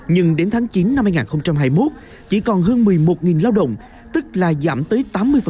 nhưng đến tháng chín năm hai nghìn hai mươi một chỉ còn hơn một mươi một lao động tức là giảm tới tám mươi